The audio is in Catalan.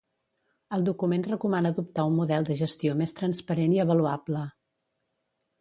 El document recomana adoptar un model de gestió més transparent i avaluable.